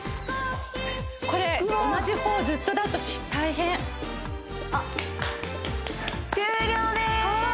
これ同じ方ずっとだと大変終了です